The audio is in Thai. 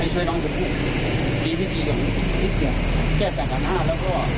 ไปช่วยน้องเจ้าผู้ดีแค่จานถังห้าแล้วก็